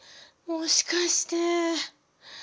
もしかして。